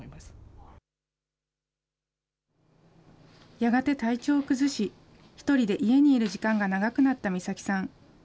やがて体調を崩し、１人で家にいる時間が長くなった美咲さん。